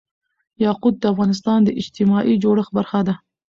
یاقوت د افغانستان د اجتماعي جوړښت برخه ده.